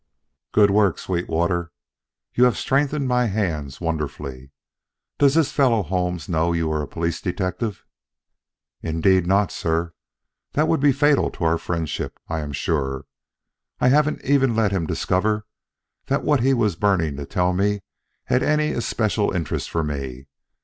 "Good work, Sweetwater! You have strengthened my hands wonderfully. Does this fellow Holmes know you for a police detective?" "Indeed not, sir. That would be fatal to our friendship, I am sure. I haven't even let him discover that what he was burning to tell had any especial interest for me.